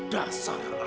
dasar anak tol